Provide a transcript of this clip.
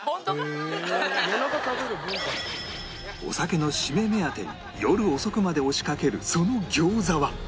お酒のシメ目当てに夜遅くまで押し掛けるその餃子は